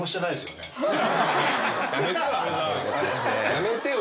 やめてよ